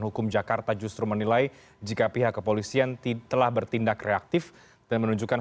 hukum jakarta justru menilai jika pihak kepolisian telah bertindak reaktif dan menunjukkan